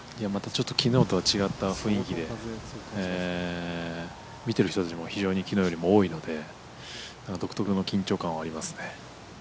きのうとは違った雰囲気で見てる人たちも非常にきのうよりも多いので独特の緊張感はありますね。